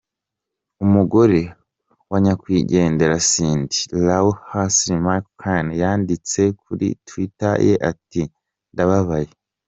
Umugore wa nyakwigendera, Cindy Lou Hensley McCain, yanditse kuri Twitter ye ati “Ndababaye.